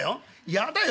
やだよ